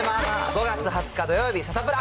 ５月２０日土曜日、サタプラ。